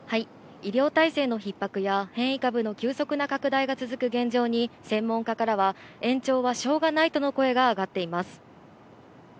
医療体制の逼迫や、変異株の急速な拡大が続く現状に専門家からは延長はしょうがないとの声が上がっています。